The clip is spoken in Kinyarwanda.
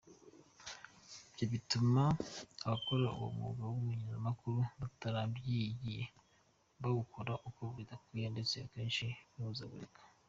Ibyo bituma abakora uwo mwuga w’ubunyamakuru batarabyigiye bawukora uko bidakwiye ndetse akenshi bahuzagurika.